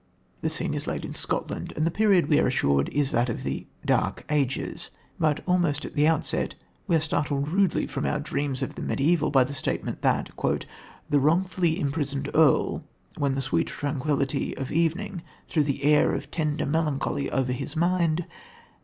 The scene is laid in Scotland, and the period, we are assured, is that of the "dark ages"; but almost at the outset we are startled rudely from our dreams of the mediaeval by the statement that "the wrongfully imprisoned earl, when the sweet tranquillity of evening threw an air of tender melancholy over his mind